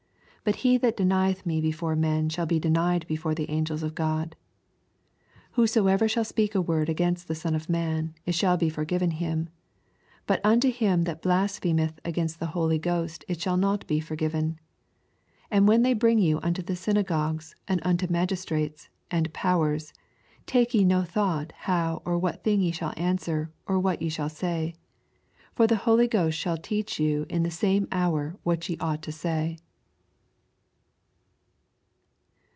9 Bat he that denieth me before men shall be denied before the angels of God. 10 Whosoever shall speak a word against the Son of man, it shall be forgiven him : but unto him that blasphemeth against the Holy Ghost it shall not be forgiven. 11 And when tney bring you unto the synagogues, and unto magistrates, and powers^ take ye no thought how or wnat thmg ye shall answer, or what ye shal? say. 12 For the Holv Ghost shaU teach yon in the same hour what ye ought to say.